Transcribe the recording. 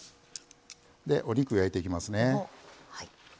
お肉を焼いていきますね。